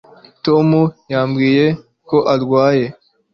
tom yambwiye ko arwaye